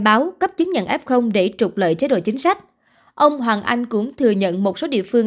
báo cấp chứng nhận f để trục lợi chế độ chính sách ông hoàng anh cũng thừa nhận một số địa phương